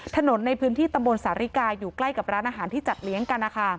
ถนนในพื้นที่ตำบลสาริกาอยู่ใกล้กับร้านอาหารที่จัดเลี้ยงกัน